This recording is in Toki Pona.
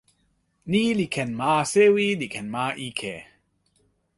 ni li ken ma sewi li ken ma ike.